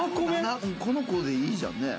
この子でいいじゃんねえ。